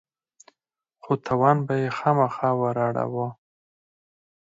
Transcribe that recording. نو تاوان به يې خامخا وراړاوه.